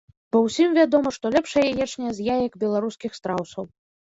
Бо ўсім вядома, што лепшая яечня з яек беларускіх страусаў.